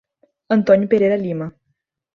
Antônio Pereira Lima